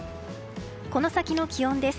この先の気温です。